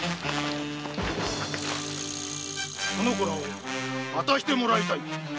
その子らを渡してもらいたい。